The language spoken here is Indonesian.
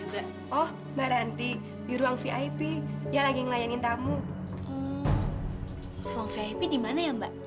terima kasih mbak